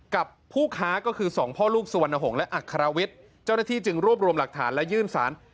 กับผู้ค้าก็คือสองพ่อลูกสุวรรณหงษ์และอัครวิทย์เจ้าหน้าที่จึงรวบรวมหลักฐานและยื่นสาร